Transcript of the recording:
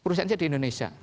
perusahaan saya di indonesia